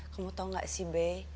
kamu tahu nggak sih be